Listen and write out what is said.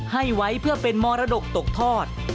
ให้ไว้เพื่อเป็นมรดกตกทอด